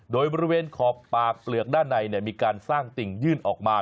โดยบริเวณขอบปากเปลือกด้านในมีการสร้างติ่งยื่นออกมา